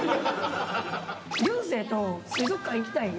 流星と水族館行きたい。